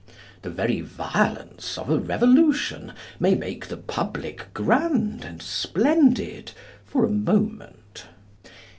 The very violence of a revolution may make the public grand and splendid for a moment.